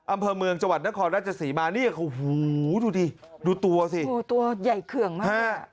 อำเภอเมืองจวัดนครราชสีมานี่ดูตัวสิตัวใหญ่เคืองมาก